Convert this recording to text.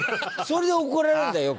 それで怒られるんだよ